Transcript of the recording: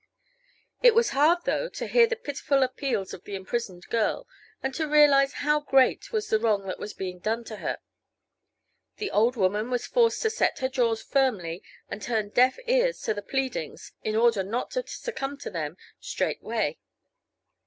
It was hard, though, to hear the pitiful appeals of the imprisoned girl, and to realize how great was the wrong that was being done her. The old woman was forced to set her jaws firmly and turn deaf ears to the pleadings in order not to succumb to them straightway.